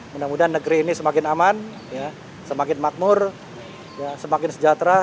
mudah mudahan negeri ini semakin aman semakin makmur semakin sejahtera